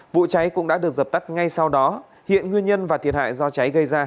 vụ cháy cũng đã được dập tắt ngay sau đó hiện nguyên nhân và thiệt hại do cháy gây ra